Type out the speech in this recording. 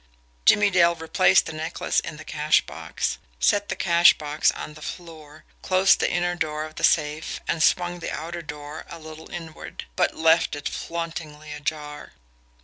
Jimmie Dale replaced the necklace in the cash box, set the cash box on the floor, closed the inner door of the safe, and swung the outer door a little inward but left it flauntingly ajar.